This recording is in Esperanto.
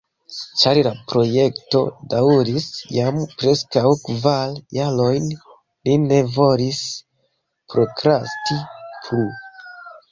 Ĉar la projekto daŭris jam preskaŭ kvar jarojn, ni ne volis prokrasti plu.